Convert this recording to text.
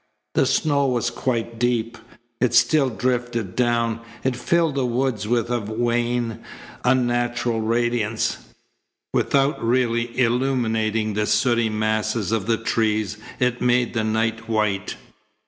The snow was quite deep. It still drifted down. It filled the woods with a wan, unnatural radiance. Without really illuminating the sooty masses of the trees it made the night white.